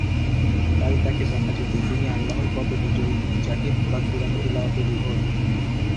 তাই তাকে দেখা যেত, তিনি আল্লাহর পথে বিজয়ী মুজাহিদ বা কুরআন তিলাওয়াতে বিভোর।